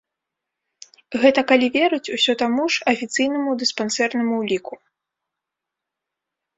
Гэта калі верыць усё таму ж афіцыйнаму дыспансернаму ўліку.